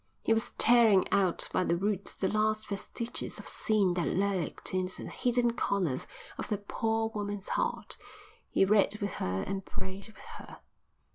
He was tearing out by the roots the last vestiges of sin that lurked in the hidden corners of that poor woman's heart. He read with her and prayed with her.